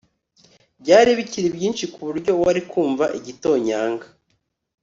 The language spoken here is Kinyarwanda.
Byari bikiri byinshi kuburyo wari kumva igitonyanga